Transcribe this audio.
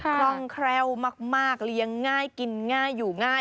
คล่องแคล่วมากเลี้ยงง่ายกินง่ายอยู่ง่าย